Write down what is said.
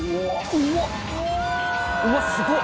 うわっすごっ！